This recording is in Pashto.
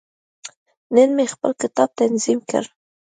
نن مې خپل کتاب تنظیم کړ.